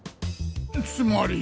つまり。